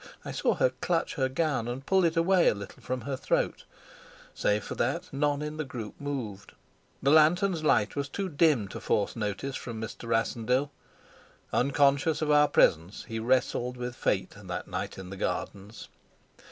I saw her clutch her gown and pull it away a little from her throat; save for that none in the group moved. The lantern's light was too dim to force notice from Mr. Rassendyll. Unconscious of our presence, he wrestled with fate that night in the gardens.